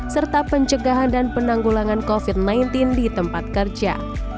serta pencegahan dan penanggulangan covid sembilan belas di tempat kerja